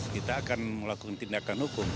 kita akan melakukan tindakan hukum